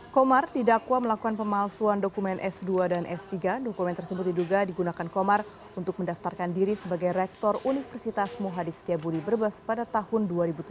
komar didakwa melakukan pemalsuan dokumen s dua dan s tiga dokumen tersebut diduga digunakan komar untuk mendaftarkan diri sebagai rektor universitas muhadi setiabudi brebes pada tahun dua ribu tujuh belas